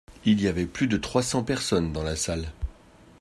Il y avait plus de trois cents personnes dans la salle.